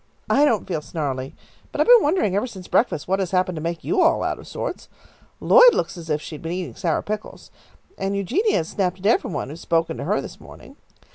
"I don't feel snarly, but I've been wondering ever since breakfast what had happened to make you all out of sorts. Lloyd looks as if she had been eating sour pickles, and Eugenia has snapped at everybody who has spoken to her this morning."